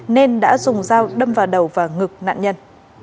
nên đã dùng dao đâm vào đầu và ngực nạn nhân